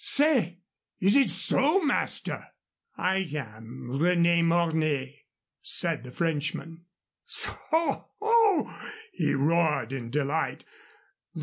Say, is it so, master?" "I am René Mornay," said the Frenchman. "Soho!" he roared in delight.